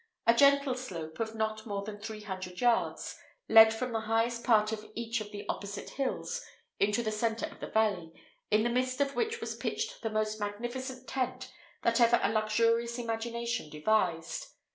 A gentle slope, of not more than three hundred yards, led from the highest part of each of the opposite hills into the centre of the valley, in the midst of which was pitched the most magnificent tent that ever a luxurious imagination devised.